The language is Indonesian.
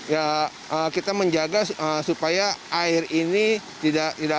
ya kita menjaga supaya air ini tidak